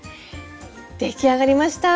出来上がりました！